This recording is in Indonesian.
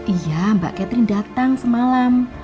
iya mbak catherine datang semalam